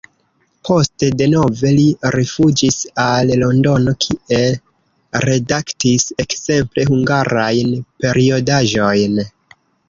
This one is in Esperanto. Poste denove li rifuĝis al Londono, kie redaktis ekzemple hungarajn periodaĵojn.